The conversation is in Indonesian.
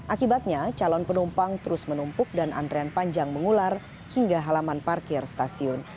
akibatnya calon penumpang terus menumpuk dan antrean panjang mengular hingga halaman parkir stasiun